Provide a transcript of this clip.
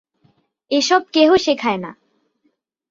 এসব কেহ শেখায় না।